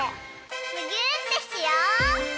むぎゅーってしよう！